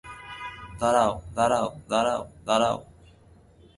দাঁড়াও, দাঁড়াও, দাঁড়াও, দাঁড়াও।